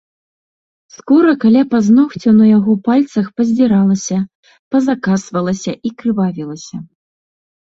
Скура каля пазногцяў на яго пальцах паздзіралася, пазакасвалася і крывавілася.